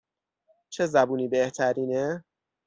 چه زبونی بهترینه؟